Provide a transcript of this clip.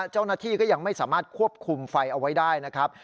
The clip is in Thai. เจ้าหน้าที่ก็ยังไม่สามารถควบคุมไฟเอาไว้ได้นะครับ